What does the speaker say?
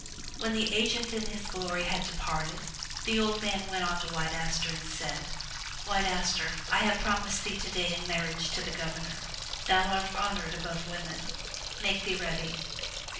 When the agent in his glory had departed, the old man went unto White Aster and said: "White Aster, I have promised thee today in marriage to the Governor. Thou art honored above women. Make thee ready.